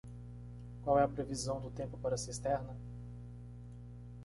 Qual é a previsão do tempo para Cisterna?